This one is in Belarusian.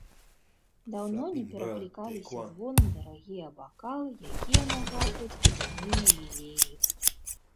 Даўно не пераклікаліся звонам дарагія бакалы, якія нагадваюць вадзяныя лілеі.